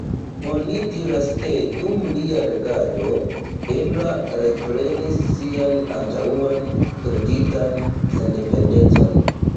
Oni diras ke dum lia regado, Ebla reprenis sian antaŭan perditan sendependecon.